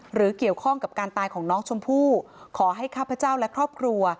หรือเกี่ยวข้องกับการตายของน้องชมพู่ขอให้ข้าพเจ้าและครอบครัว